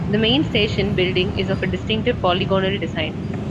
The main station building is of a distinctive polygonal design.